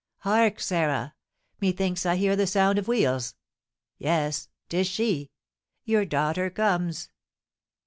"Hark, Sarah! Methinks I hear the sound of wheels. Yes, 'tis she, your daughter comes!"